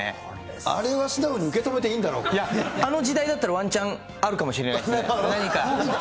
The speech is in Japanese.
あれは素直に受け止めていいいや、あの時代だったら、わんちゃん、あるかもしれないですね。